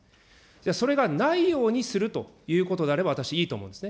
それがないようにするということであれば、私、いいと思うんですね。